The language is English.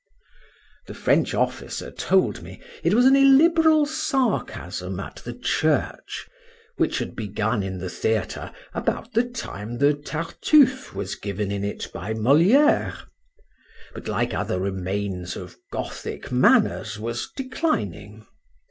The French officer told me, it was an illiberal sarcasm at the church, which had begun in the theatre about the time the Tartuffe was given in it by Molière: but like other remains of Gothic manners, was declining.